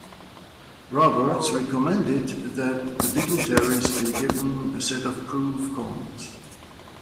Roberts recommended that the dignitaries be given a set of proof coins.